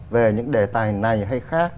về những đề tài này hay khác